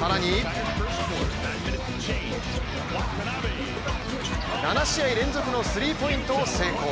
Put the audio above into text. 更に７試合連続のスリヘポイントを成功